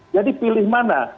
jadi pilih mana